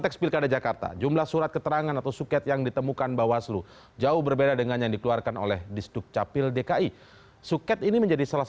selamat malam assalamualaikum